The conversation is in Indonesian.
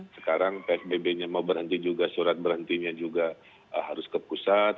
sekarang psbb nya mau berhenti juga surat berhentinya juga harus ke pusat